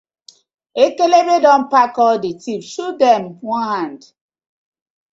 Ekekebe don pack all the thief shoot dem one hand.